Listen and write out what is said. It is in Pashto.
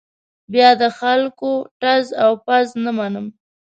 بیا د خلکو ټز او پز نه منم.